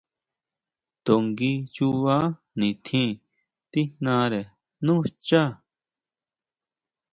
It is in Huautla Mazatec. To ngui chuba nitjín tíjnare nú xchá.